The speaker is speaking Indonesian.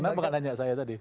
kenapa gak nanya saya tadi